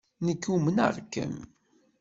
Nekk umneɣ-kem.